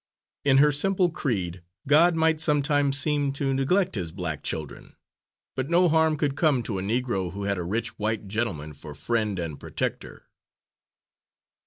In her simple creed, God might sometimes seem to neglect his black children, but no harm could come to a Negro who had a rich white gentleman for friend and protector.